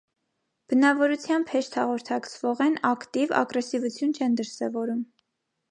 Բնավորությամբ հեշտ հաղորդակցվող են, ակտիվ, ագրեսիվություն չեն դրսևորում։